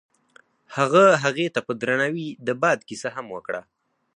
هغه هغې ته په درناوي د باد کیسه هم وکړه.